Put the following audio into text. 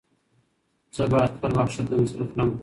زه بايد خپل وخت ښه تنظيم کړم.